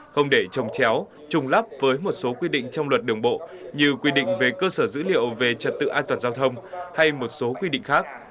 không để trồng chéo trùng lắp với một số quy định trong luật đường bộ như quy định về cơ sở dữ liệu về trật tự an toàn giao thông hay một số quy định khác